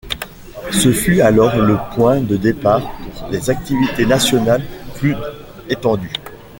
Ce fut alors le point de départ pour des activités nationales plus étendues.